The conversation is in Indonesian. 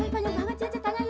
panjang banget cepi tanya ya